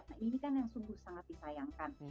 nah ini kan yang sungguh sangat disayangkan